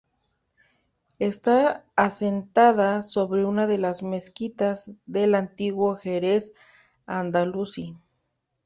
Está asentada sobre una de las mezquitas del antiguo Jerez andalusí.